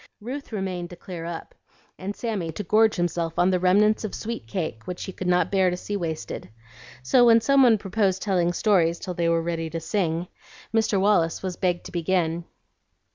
Ruth remained to clear up, and Sammy to gorge himself on the remnants of "sweet cake" which he could not bear to see wasted. So, when some one proposed telling stories till they were ready to sing, Mr. Wallace was begged to begin.